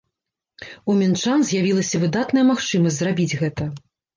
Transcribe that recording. У мінчан з'явілася выдатная магчымасць зрабіць гэта!